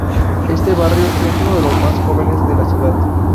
Este barrio es uno de los más jóvenes de la ciudad.